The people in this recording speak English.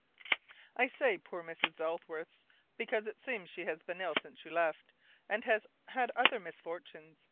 I say "poor Mrs. Ellsworth" because it seems she has been ill since you left, and has had other misfortunes.